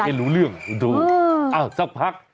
ไม่รู้เรื่องดูเอ้าซักพัก